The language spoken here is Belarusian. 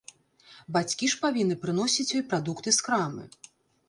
Бацькі ж павінны прыносіць ёй прадукты з крамы.